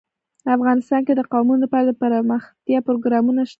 افغانستان کې د قومونه لپاره دپرمختیا پروګرامونه شته.